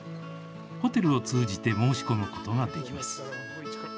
ホテルを通じて申し込むことができます。